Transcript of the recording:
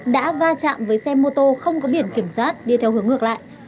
đã va chạm với xe mô tô không có biển kiểm soát đi theo hướng ngược lại